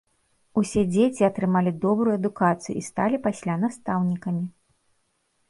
Усе дзеці атрымалі добрую адукацыю і сталі пасля настаўнікамі.